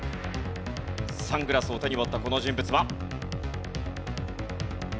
サングラスを手に持ったこの人物は。